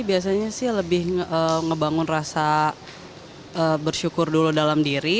biasanya sih lebih ngebangun rasa bersyukur dulu dalam diri